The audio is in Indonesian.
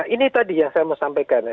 ini tadi yang saya mau sampaikan